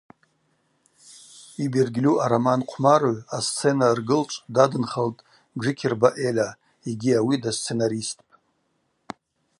Йбергьльу ароман Хъвмарыгӏв асцена ргылчӏв дадынхалтӏ Джикирба Эля йгьи ауи дасценаристпӏ.